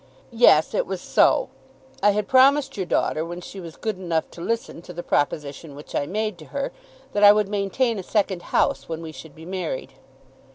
"Yes; it was so. I had promised your daughter when she was good enough to listen to the proposition which I made to her, that I would maintain a second house when we should be married."